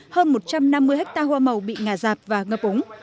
hơn một trăm năm mươi ha hoa màu bị ngả dạp và ngập ống